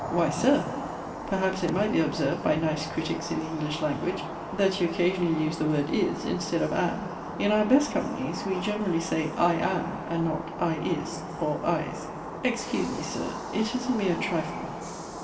Why, Sir! perhaps it might be observed by nice critics in the English language, that you occasionally use the word "is" instead of "am." In our best companies we generally say I am, and not I is or I'se. Excuse me, Sir! it is a mere trifle.